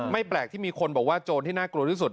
แปลกที่มีคนบอกว่าโจรที่น่ากลัวที่สุด